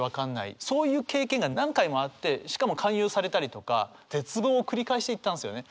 そういう経験が何回もあってしかも勧誘されたりとか絶望を繰り返していったんですよね。